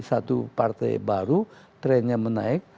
satu partai baru trennya menaik